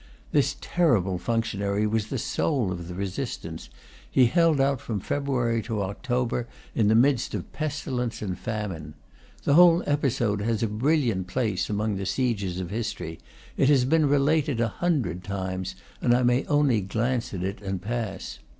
This terrible functionary was the soul of the resistance; he held out from February to October, in the midst of pestilence and famine. The whole episode has a brilliant place among the sieges of history; it has been related a hundred times, and I may only glance at it and pass.